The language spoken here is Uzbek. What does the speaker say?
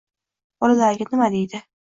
Bolalariga nima deydi